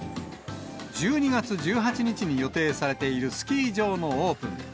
１２月１８日に予定されているスキー場のオープン。